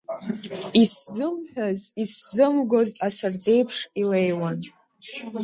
Исзымҳәаз, исзымгоз, асырӡеиԥш илеиуан.